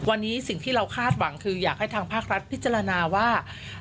วันนี้สิ่งที่เราคาดหวังคืออยากให้ทางภาครัฐพิจารณาว่า